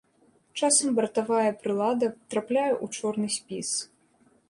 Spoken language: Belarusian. Часам бартавая прылада трапляе ў чорны спіс.